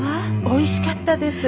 おいしかったです。